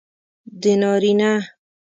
د نارینه